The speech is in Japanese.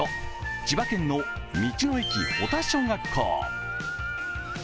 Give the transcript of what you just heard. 千葉県の道の駅保田小学校。